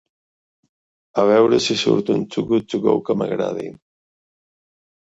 A veure si surt un Too Good To Go que m'agradi.